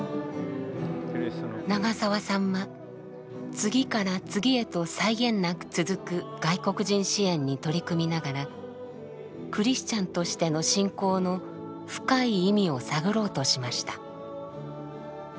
長澤さんは次から次へと際限なく続く外国人支援に取り組みながらクリスチャンとしての信仰の深い意味を探ろうとしました。